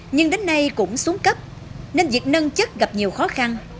nhưng đến nay cũng xuống cấp nên việc nâng chất gặp nhiều khó khăn